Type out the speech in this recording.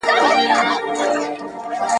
د مځکي زرغونېدل بيرته را منځته سو